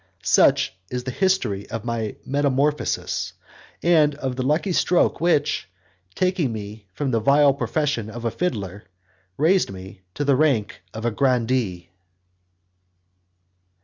Such is the history of my metamorphosis, and of the lucky stroke which, taking me from the vile profession of a fiddler, raised me to the rank of a grandee.